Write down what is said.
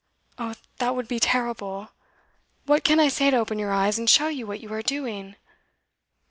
'Oh, that would be terrible! What can I say to open your eyes and show you what you are doing?